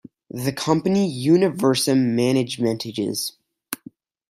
The company Universum Managementges.